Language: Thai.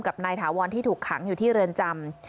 กับนายถาวรที่ถูกขังอยู่ที่เรือนจำ